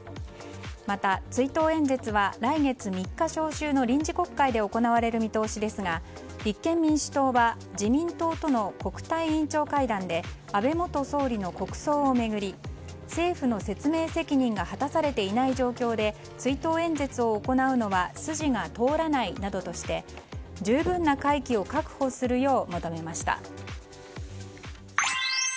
また追悼演説は来月３日召集の臨時国会で行われる見通しですが立憲民主党は自民党との国対委員長会談で安倍元総理の国葬を巡り政府の説明責任が果たされていない状況で追悼演説を行うのは筋が通らないなどとして十分な会期を確保するよう求めました。